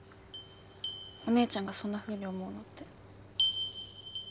お姉ちゃんがそんなふうに思うのって。